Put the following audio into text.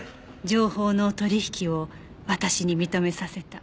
情報の取引を私に認めさせた。